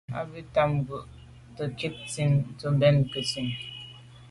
A be tam ngu’ à to’ nke ntsin tù mbèn nke nzine.